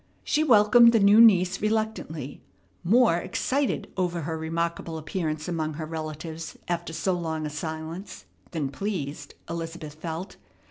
She welcomed the new niece reluctantly, more excited over her remarkable appearance among her relatives after so long a silence than pleased, Elizabeth felt.